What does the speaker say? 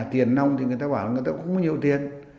tiền nông thì người ta bảo là người ta cũng có nhiều tiền